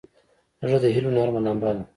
زړه د هيلو نرمه لمبه ده.